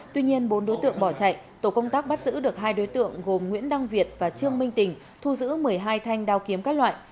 tuy nhiên bốn đối tượng bỏ chạy tổ công tác bắt giữ được hai đối tượng gồm nguyễn đăng việt và trương minh tình thu giữ một mươi hai thanh đao kiếm các loại